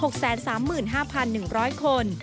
๖๓๕๑๐๐คน